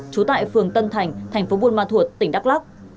chú tại phường tân thành tp bù ma thuật tỉnh đắk lắc